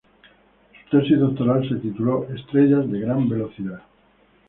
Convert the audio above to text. Su tesis doctoral se tituló "Estrellas de gran velocidad".